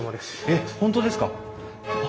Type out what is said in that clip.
えっ本当ですか！？